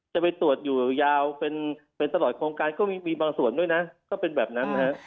จะไปตรวจอยู่ยาวเป็นตลอดโครงการก็มีบางส่วนด้วยนะก็เป็นแบบนั้นนะฮะ